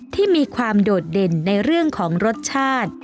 ที่มีความโดดเด่นในเรื่องของรสชาติ